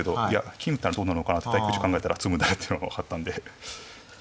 金打ったらどうなのかなって考えたら詰むんだなっていうのが分かったんで。